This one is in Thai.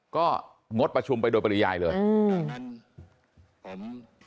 ก็งดประชุมไปโดยปริญญาณเลยอือดังนั้นผม